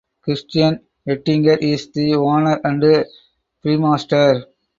Christian Ettinger is the owner and brewmaster.